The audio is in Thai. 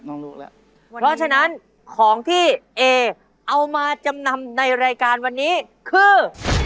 รู้แล้วเพราะฉะนั้นของที่เอเอามาจำนำในรายการวันนี้คือ